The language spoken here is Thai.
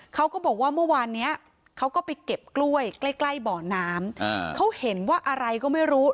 เขาก็บอกว่าเมื่อวานเนี้ยเขาก็ไปเก็บกล้วยใกล้ใกล้บ่อน้ำเขาเห็นว่าอะไรก็ไม่รู้